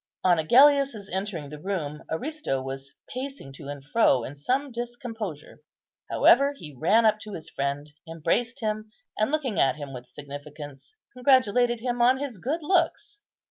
On Agellius's entering the room, Aristo was pacing to and fro in some discomposure; however, he ran up to his friend, embraced him, and, looking at him with significance, congratulated him on his good looks.